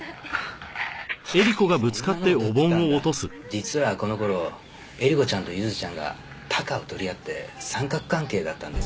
実はこの頃えり子ちゃんとゆずちゃんがタカを取り合って三角関係だったんですよ。